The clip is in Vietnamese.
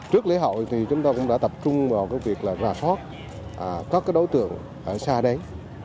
trước lễ hội thì chúng ta cũng đã tập trung vào cái việc là rà thoát các đối tượng ở xa đấy